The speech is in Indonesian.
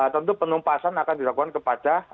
tentu penumpasan akan dilakukan kepada